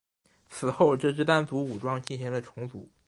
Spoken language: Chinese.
此后这支掸族武装进行了重组。